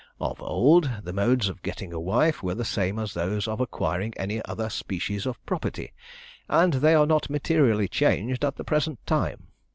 Of old, the modes of getting a wife were the same as those of acquiring any other species of property, and they are not materially changed at the present time.